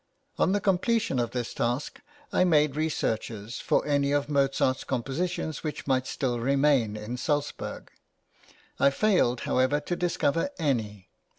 On the completion of this task, I made researches for any of Mozart's compositions which might still remain in Salzburg; I failed, however, to discover any.